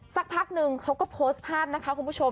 สักพักนึงเขาก็โพสต์ภาพนะคะคุณผู้ชม